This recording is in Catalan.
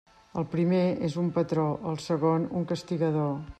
El primer és un patró, el segon un castigador.